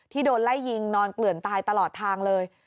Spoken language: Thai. โดนไล่ยิงนอนเกลื่อนตายตลอดทางเลย